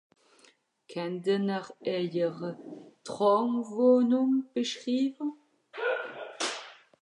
kenne-n'r eijere Traumwohnung beschriewe ?